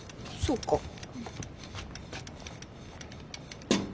そうか。